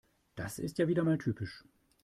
Das ist ja wieder mal typisch.